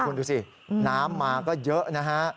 คุณดูสิน้ำมาก็เยอะนะฮะ